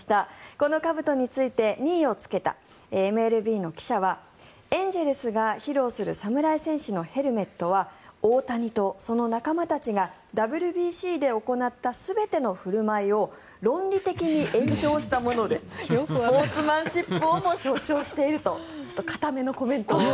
このかぶとについて２位をつけたＭＬＢの記者はエンゼルスが披露する侍戦士のヘルメットはオオタニとその仲間たちがＷＢＣで行った全ての振る舞いを論理的に延長したものでスポーツマンシップをも象徴していると堅めのコメントを。